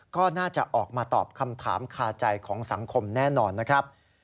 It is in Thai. ก็น่าจะออกมาตอบคำถามคาใจของสังคมแน่นอนนะครับ